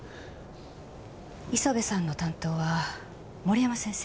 磯部さんの担当は森山先生？